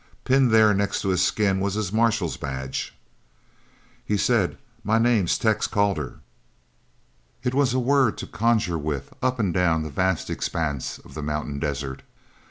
Pinned there next to his skin was his marshal's badge. He said: "My name's Tex Calder." It was a word to conjure with up and down the vast expanse of the mountain desert.